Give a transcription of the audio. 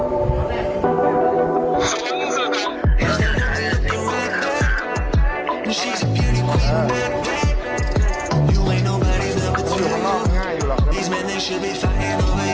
ออกเหลือข้างนอกง่ายหรอกนะ